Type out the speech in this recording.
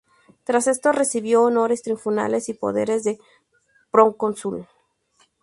Tras esto recibió honores triunfales y poderes de procónsul.